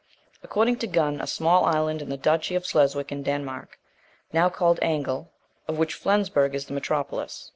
According to Gunn, a small island in the duchy of Sleswick in Denmark, now called Angel, of which Flensburg is the metropolis.